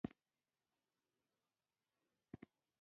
علم د انسان شعور ته وده ورکوي.